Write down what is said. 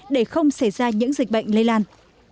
để không xảy ra những dịch bệnh lây lan